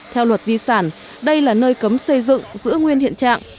theo luật di sản đây là nơi cấm xây dựng giữ nguyên hiện trạng